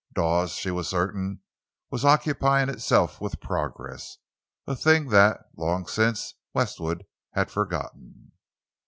Dawes, she was certain, was occupying itself with progress—a thing that, long since, Westwood had forgotten.